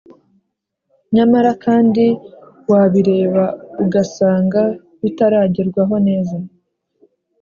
nyamara kandi wabireba ugasanga, bitaragerwaho neza